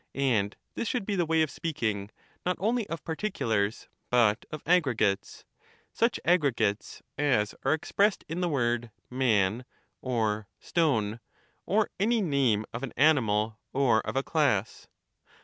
And this should be the way of speaking, not only of particu lars but of aggregates ; such aggregates as are expressed in the word 'man,' or 'stone/ or any name of an animal or of a class.